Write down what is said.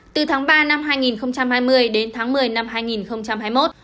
từ tháng ba năm hai nghìn hai mươi đến tháng một mươi năm hai nghìn hai mươi một